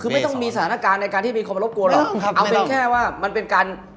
คือไม่ต้องมีสถานการณ์ในการที่มีคนมารบกวนหรอกครับเอาเป็นแค่ว่ามันเป็นการ